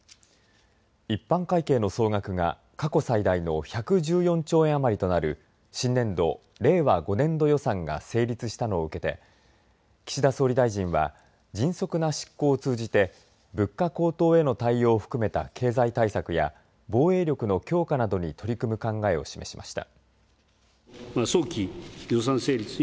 一般会計の総額が過去最大の１１４兆円余りとなる新年度令和５年度予算が成立したのを受けて岸田総理大臣は迅速な執行を通じて物価高騰への対応も含めた経済対策や防衛力の強化などに取り組む考えを示しました。